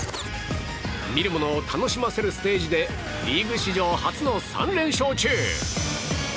見る者を楽しませるステージでリーグ史上初の３連勝中。